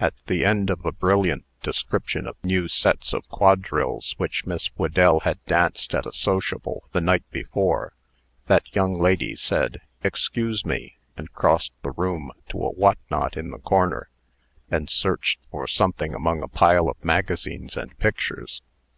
At the end of a brilliant description of a new set of quadrilles which Miss Whedell had danced at a sociable the night before, that young lady said, "Excuse me," and crossed the room to a what not in the corner, and searched for something among a pile of magazines and pictures.